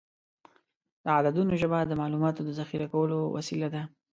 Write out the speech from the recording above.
د عددونو ژبه د معلوماتو د ذخیره کولو وسیله ده.